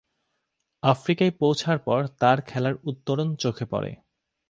আফ্রিকায় পৌঁছার পর তার খেলার উত্তরণ চোখে পড়ে।